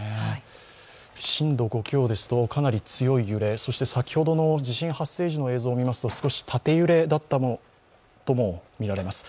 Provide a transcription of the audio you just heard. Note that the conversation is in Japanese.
震度５強ですとかなり強い揺れ、そして先ほどの地震発生時の映像見てみますと少し縦揺れだったともみられます。